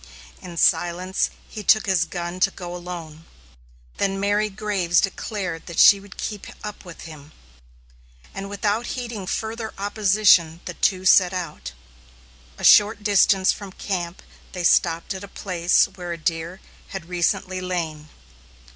In silence he took his gun to go alone. Then Mary Graves declared that she would keep up with him, and without heeding further opposition the two set out. A short distance from camp they stopped at a place where a deer had recently lain.